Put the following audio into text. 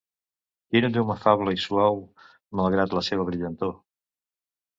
Quina llum afable i suau malgrat la seva brillantor!